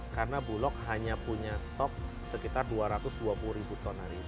karena bulog hanya punya stok sekitar dua ratus dua puluh ribu ton hari ini